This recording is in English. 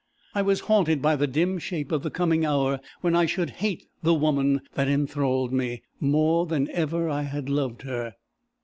I was haunted by the dim shape of the coming hour when I should hate the woman that enthralled me, more than ever I had loved her.